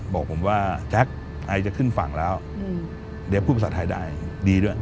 บอกผมว่าแจ๊คไอจะขึ้นฝั่งแล้วเดี๋ยวพูดภาษาไทยได้ดีด้วย